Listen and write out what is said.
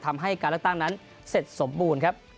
ทำให้การเลือกตั้งนั้นเสร็จสมบูรณ์ครับ